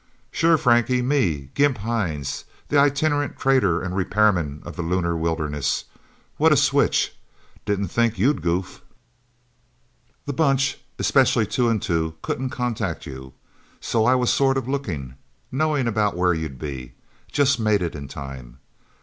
"Sure Frankie me, Gimp Hines, the itinerant trader and repairman of the lunar wilderness... What a switch didn't think you'd goof! The Bunch especially Two and Two couldn't contact you. So I was sort of looking, knowing about where you'd be. Just made it in time.